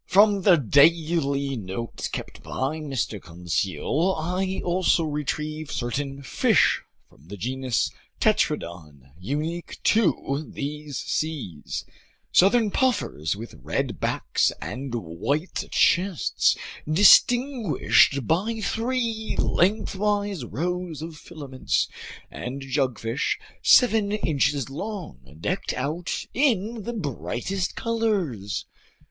From the daily notes kept by Mr. Conseil, I also retrieve certain fish from the genus Tetradon unique to these seas: southern puffers with red backs and white chests distinguished by three lengthwise rows of filaments, and jugfish, seven inches long, decked out in the brightest colors.